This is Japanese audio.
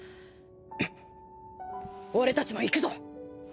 俺たちも行くぞ。